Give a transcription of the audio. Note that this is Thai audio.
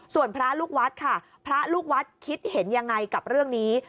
ส่วนพระลูกวัดค่ะพระลูกวัดคิดเห็นยังไงกับเรื่องนี้